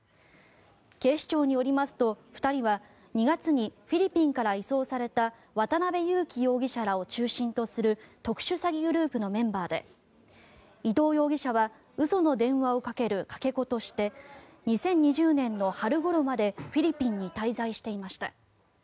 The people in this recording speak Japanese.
警視庁によりますと、２人は２月にフィリピンから移送された渡邉優樹容疑者らを中心とする特殊詐欺グループのメンバーで伊藤容疑者は嘘の電話をかけるかけ子として２０２０年の春ごろまでフィリピンに滞在していました。